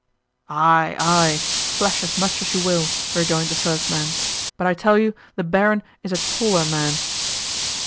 "Aye, aye, flash as much as you will," rejoined the first man, "but I tell you the Baron is a taller man."